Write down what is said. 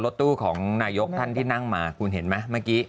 รถตู้ของนายกท่านที่นั่งมาคุณเห็นไหมเมื่อกี้